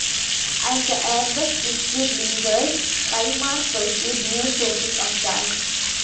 As the Airbus dispute lingered, Skymark pursued new sources of cash.